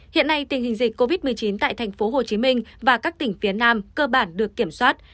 hiện nay tình hình dịch covid một mươi chín tại tp hcm và các tỉnh phía nam cơ bản được kiểm soát